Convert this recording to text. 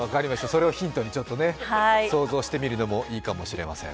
それをヒントに想像してみるのもいいかもしれません。